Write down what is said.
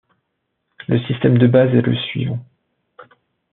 Le système de base est le suivant.